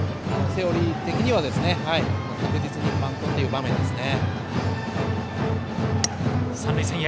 セオリー的には確実にバントの場面ですね。